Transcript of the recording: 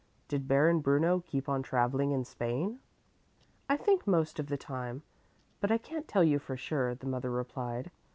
Did Baron Bruno keep on travelling in Spain?" "I think most of the time, but I can't tell you for sure," the mother replied.